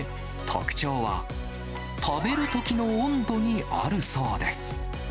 特徴は食べるときの温度にあるそうです。